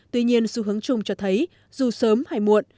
tuy nhiên xu hướng chung cho thấy dù sớm hay muộn